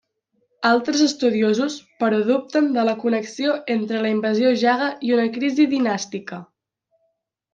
Altres estudiosos, però dubten de la connexió entre la invasió jaga i una crisi dinàstica.